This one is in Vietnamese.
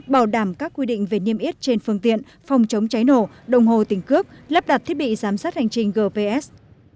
bảo đảm các quy định về niêm yết trên phương tiện phòng chống cháy nổ đồng hồ tỉnh cướp lắp đặt thiết bị giám sát hành trình gps